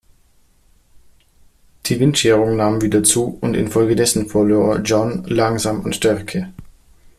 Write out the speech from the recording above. Die Windscherung nahm wieder zu und infolgedessen verlor John langsam an Stärke.